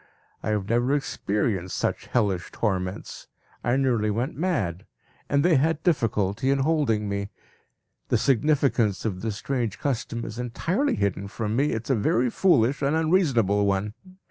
I have never experienced such hellish torments. I nearly went mad, and they had difficulty in holding me. The significance of this strange custom is entirely hidden from me. It is a very foolish and unreasonable one.